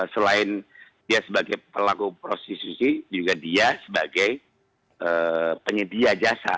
selain dia sebagai pelaku prostitusi juga dia sebagai penyedia jasa